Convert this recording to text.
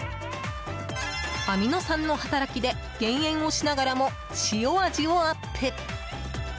アミノ酸の働きで減塩をしながらも塩味をアップ。